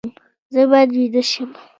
زه باید ویده شم